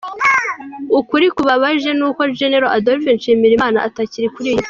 Ukuri kubabaje ni uko General Adolphe Nshimirimana atakiri kuri iyi si.